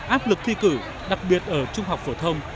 áp lực thi cử đặc biệt ở trung học phổ thông